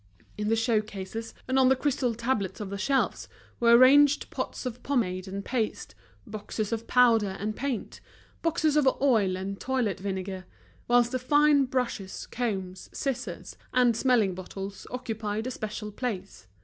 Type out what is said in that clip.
In the show cases, and on the crystal tablets of the shelves, were ranged pots of pomade and paste, boxes of powder and paint, boxes of oil and toilet vinegar; whilst the fine brushes, combs, scissors, and smelling bottles occupied a special place.